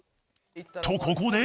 とここで